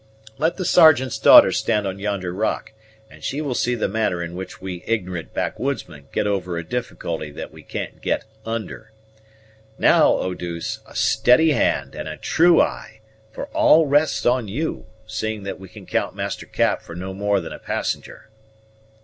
Let the Sergeant's daughter stand on yonder rock, and she will see the manner in which we ignorant backwoodsmen get over a difficulty that we can't get under. Now, Eau douce, a steady hand and a true eye, for all rests on you, seeing that we can count Master Cap for no more than a passenger."